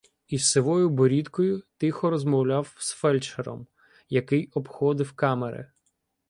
із сивою борідкою тихо розмовляв з фельдшером, який обходив камери.